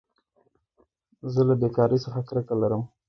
زه له بېکارۍ څخه کرکه لرم.